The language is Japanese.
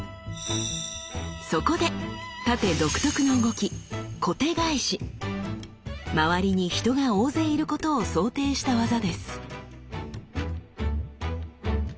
そこで殺陣独特の動き周りに人が大勢いることを想定した技です。